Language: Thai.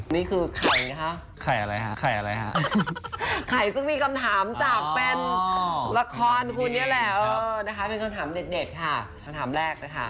นี่คือไข่นะคะไข่ซึ่งมีคำถามจากแฟนละครคุณเนี่ยแหละเป็นคำถามเด็ดค่ะคำถามแรกนะคะ